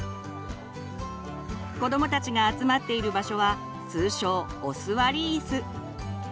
子どもたちが集まっている場所は通称「お座りイス」。